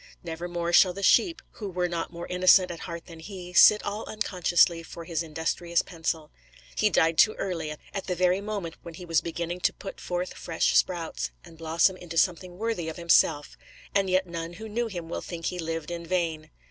Never more shall the sheep, who were not more innocent at heart than he, sit all unconsciously for his industrious pencil. He died too early, at the very moment when he was beginning to put forth fresh sprouts, and blossom into something worthy of himself; and yet none who knew him will think he lived in vain.